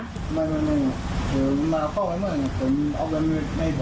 ไม่ไม่ไม่เหมือนมาหลักข้องไม่เหมือนแต่มีออกแว่นมือไม่อีกเหรอ